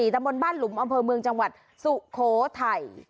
ตำบลบ้านหลุมอำเภอเมืองจังหวัดสุโขทัย